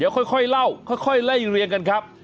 ค่อยเล่าค่อยไล่เรียงกันครับ